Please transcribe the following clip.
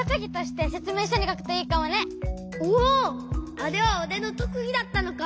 あれはおれのとくぎだったのか。